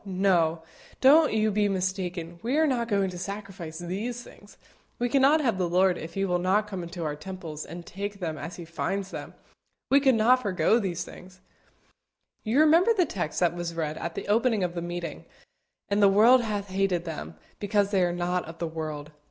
no; don't you be mistaken: we are not going to sacrifice these things. We cannot have the Lord if He will not come into our temples and take them as He finds them. We could not forego these things." You remember the text that was read at the opening of the meeting "And the world hath hated them, because they are not of the world."